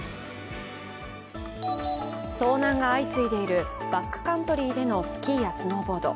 遭難が相次いでいるバックカントリーでのスキーやスノーボード。